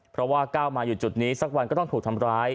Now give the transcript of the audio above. เพราะว่าก้าวมาอยู่จุดนี้สักวันก็ต้องถูกทำร้าย